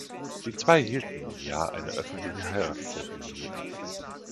Die Zwei hielten in dem Jahr eine öffentliche Heiratszeremonie ab.